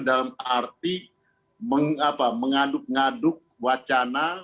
dalam arti mengaduk ngaduk wacana